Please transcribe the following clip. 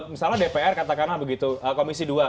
misalnya dpr katakanlah begitu komisi dua